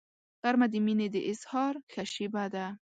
غرمه د مینې د اظهار ښه شیبه ده